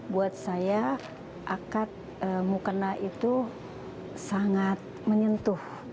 buat saya akad mukena itu sangat menyentuh